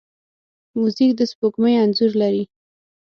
موزیک د سپوږمۍ انځور لري.